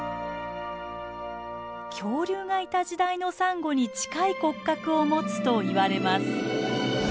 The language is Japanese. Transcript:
恐竜がいた時代のサンゴに近い骨格を持つといわれます。